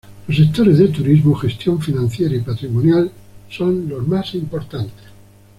Los sectores de turismo, gestión financiera y patrimonial son los más importantes.